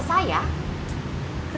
riva saya pecah